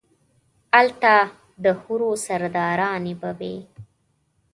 الته ده حورو سرداراني به وي